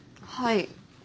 はい。